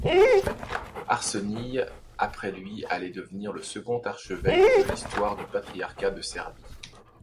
Arsenije, après lui, allait devenir le second archevêque de l'histoire du Patriarcat de Serbie.